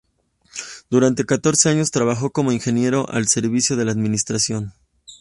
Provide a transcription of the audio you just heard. Durante catorce años trabajó como Ingeniero al servicio de la Administración.